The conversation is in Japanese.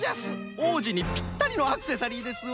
おうじにぴったりのアクセサリーですわ。